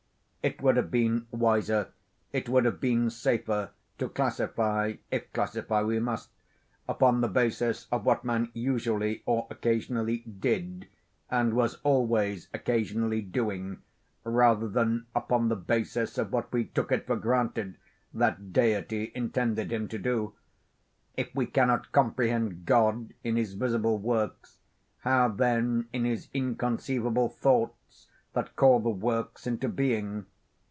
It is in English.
It would have been wiser, it would have been safer, to classify (if classify we must) upon the basis of what man usually or occasionally did, and was always occasionally doing, rather than upon the basis of what we took it for granted the Deity intended him to do. If we cannot comprehend God in his visible works, how then in his inconceivable thoughts, that call the works into being?